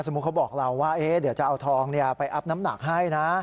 เขาบอกเราว่าเดี๋ยวจะเอาทองไปอัพน้ำหนักให้นะ